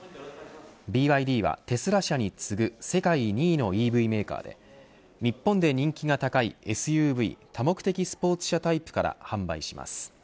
ＢＹＤはテスラ社に次ぐ世界２位のＥＶメーカーで日本で人気が高いＳＵＶ多目的スポーツ車タイプから販売します。